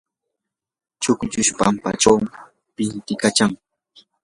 chukllush pampachaw pintiykachan.